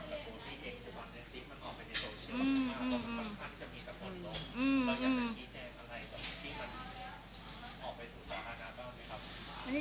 ออกไปสู่สถานะต้องไหมครับ